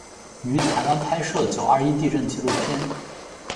于台湾拍摄九二一地震纪录片。